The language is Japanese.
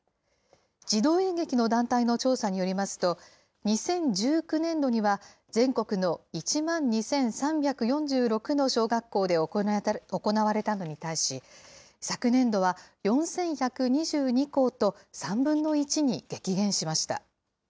児童演劇の団体の調査によりますと、２０１９年度には、全国の１万２３４６の小学校で行われたのに対し、昨年度は４１２２校と、３分の１に激減しました。